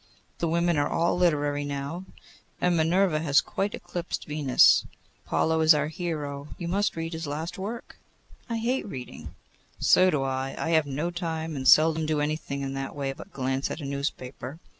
The women are all literary now, and Minerva has quite eclipsed Venus. Apollo is our hero. You must read his last work.' 'I hate reading.' 'So do I. I have no time, and seldom do anything in that way but glance at a newspaper.